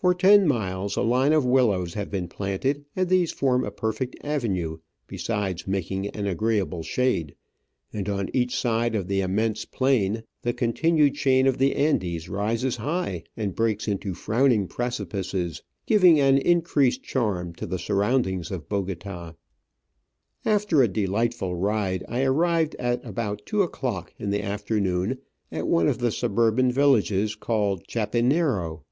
For ten miles a line of willows have been planted, and these form a perfect avenue, besides making an agreeable shade, and on each side of the immense plain the continued chain of the Andes rises high and breaks into frowning precipices, giving an increased charm to the surroundings of Bogota. After a delightful ride, I arrived at about two o'clock in the afternoon at one of the suburban villages, called Chapinero.